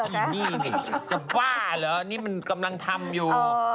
นี่จะบ้าเหรอนี่มันกำลังทำอยู่